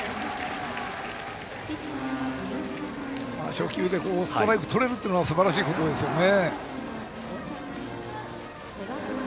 初球でストライクがとれるのはすばらしいことですね。